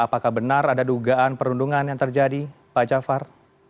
apakah benar ada dugaan perundungan yang terjadi pak jafar